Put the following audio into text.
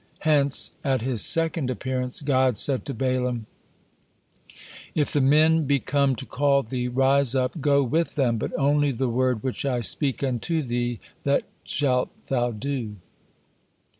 Hence, at His second appearance, God said to Balaam, "If the men be come to call thee, rise up, go with them; but only the word which I speak unto thee, that shalt thou do."